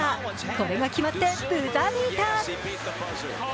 これが決まってブザービーター。